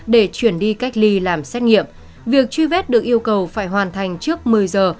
để chuyển đi cách ly làm xét nghiệm việc truy vết được yêu cầu phải hoàn thành trước một mươi giờ